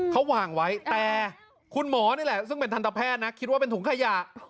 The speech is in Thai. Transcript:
เขาวางไว้แต่คุณหมอนี่แหละซึ่งเป็นทันตแพทย์นะคิดว่าเป็นถุงขยะ